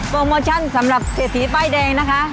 โมชั่นสำหรับเศรษฐีป้ายแดงนะคะ